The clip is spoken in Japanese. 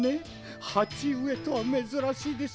はちうえとはめずらしいです